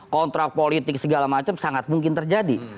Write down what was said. kontrak politik segala macam sangat mungkin terjadi